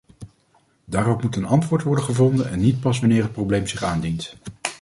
Daarop moet een antwoord worden gevonden en niet pas wanneer het probleem zich aandient.